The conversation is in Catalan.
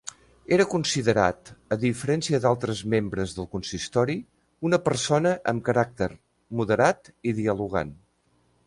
Era considerat, a diferència d'altres membres del consistori, una persona amb caràcter moderat i dialogant.